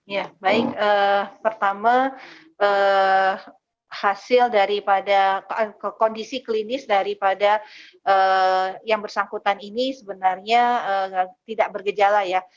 ya baik pertama hasil daripada kondisi klinis daripada yang bersangkutan ini sebenarnya tidak bergejala ya